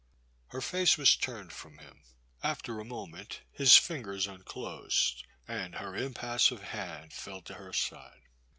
Her face was turned from him. After a mo ment his fingers unclosed and her impassive hand fell to her side.